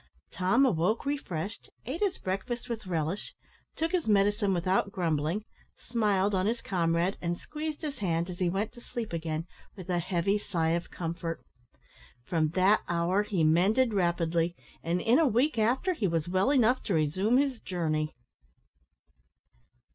Tom awoke refreshed, ate his breakfast with relish, took his medicine without grumbling, smiled on his comrade, and squeezed his hand as he went to sleep again with a heavy sigh of comfort. From that hour he mended rapidly, and in a week after he was well enough to resume his journey.